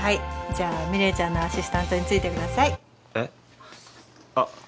じゃあ美玲ちゃんのアシスタントについてください。えっ？あっ。